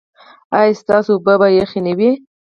ایا ستاسو اوبه به یخې نه وي؟